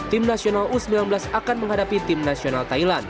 tim nasional u sembilan belas akan menghadapi tim nasional thailand